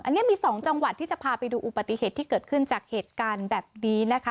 อันนี้มี๒จังหวัดที่จะพาไปดูอุปติเหตุที่เกิดขึ้นจากเหตุการณ์แบบนี้นะคะ